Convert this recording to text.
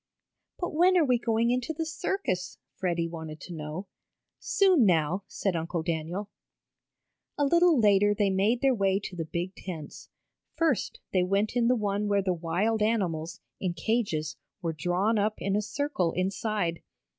"But when are we going into the circus?" Freddie wanted to know. "Soon now," said Uncle Daniel. A little later they made their way to the big tents. First they went in the one where the wild animals, in cages, were drawn up in a circle inside.